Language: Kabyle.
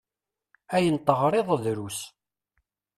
Ayen teɣriḍ drus.